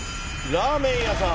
「ラーメン屋さん」